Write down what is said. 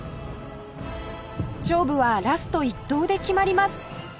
勝負はラスト１投で決まります